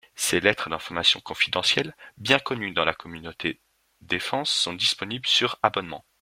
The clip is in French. Ces lettres d'information confidentielles, bien connues dans la communauté défense, sont disponibles sur abonnement.